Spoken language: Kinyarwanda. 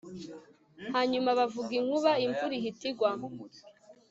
Hanyuma havuga inkuba imvura ihita igwa